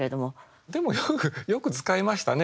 でもよく使いましたね